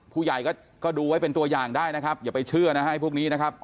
ผู้ใหญ่ก็ดูไว้เป็นตัวอย่างได้นะครับอย่าไปเชื่อนะฮะไอ้พวกนี้นะครับ